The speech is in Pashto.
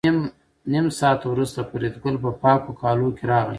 نیم ساعت وروسته فریدګل په پاکو کالو کې راغی